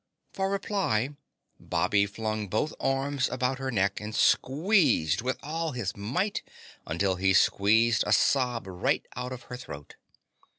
For reply, Bobby flung both arms about her neck and squeezed with all his might until he squeezed a sob right out of her throat.